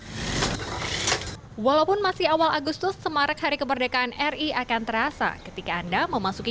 hai walaupun masih awal agustus semarak hari kemerdekaan ri akan terasa ketika anda memasuki